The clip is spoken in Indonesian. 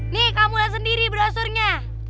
nih kamu lihat sendiri brosurnya